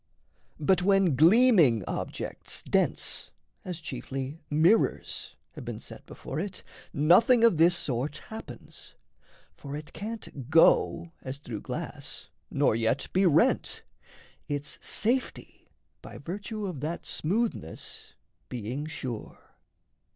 But when gleaming objects dense, As chiefly mirrors, have been set before it, Nothing of this sort happens. For it can't Go, as through glass, nor yet be rent its safety, By virtue of that smoothness, being sure.